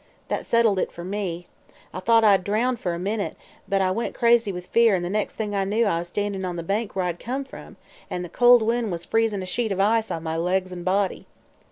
That settled it for me. I thought I'd drown, for a minute, but I went crazy with fear an' the next thing I knew I was standin' on the bank where I'd come from an' the cold wind was freezin' a sheet of ice on my legs an' body.